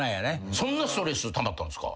そんなストレスたまったんですか？